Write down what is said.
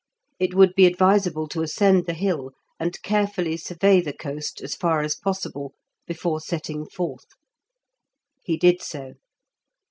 It would be advisable to ascend the hill, and carefully survey the coast as far as possible before setting forth. He did so.